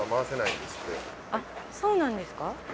あっそうなんですか？